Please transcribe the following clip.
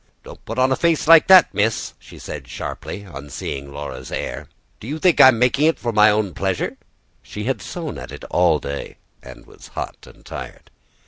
"Don't put on a face like that, miss!" she said sharply on seeing Laura's air. "Do you think I'm making it for my own pleasure?" She had sewn at it all day, and was hot and tired.